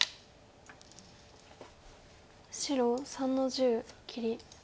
白３の十切り。